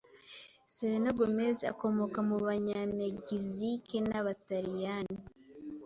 Selena Gomez akomoka mu Banyamegizike n'Abataliyani.